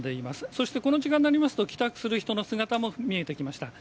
そしてこの時間になりますと帰宅する人の姿も見えてきました。